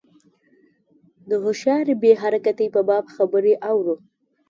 د هوښیاري بې حرکتۍ په باب خبرې اورو.